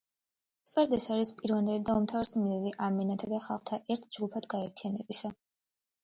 სწორედ ეს არის პირვანდელი და უმთავრესი მიზეზი ამ ენათა და ხალხთა ერთ ჯგუფად გაერთიანებისა.